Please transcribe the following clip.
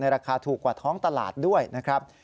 ราคาถูกกว่าท้องตลาดด้วยนะครับ